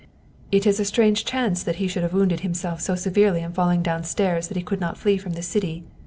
" It is a strange chance that he should have wounded himself so severely in falling downstairs that he could not flee from the city.